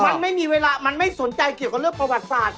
มันไม่มีเวลามันไม่สนใจเกี่ยวกับเรื่องประวัติศาสตร์